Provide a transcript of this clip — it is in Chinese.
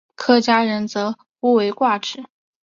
客家人则呼为挂纸。